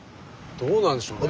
どうなんでしょうね。